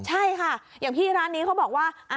ใช่ค่ะอย่างพี่ร้านนี้เขาบอกว่า